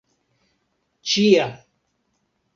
ĉia